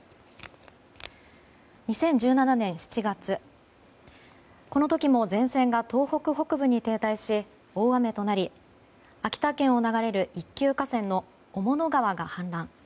２０１７年７月この時も前線が東北北部に停滞し大雨となり秋田県を流れる一級河川の雄物川が氾濫。